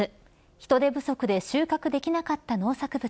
人手不足で収穫できなかった農作物。